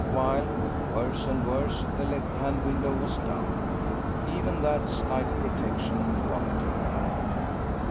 While, worse and worse, the left hand window was down! Even that slight protection wanting!